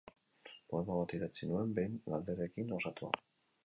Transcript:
Poema bat idatzi nuen behin, galderekin osatua.